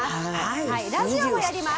ラジオもやります。